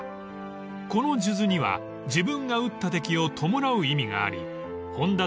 ［この数珠には自分が討った敵を弔う意味があり本多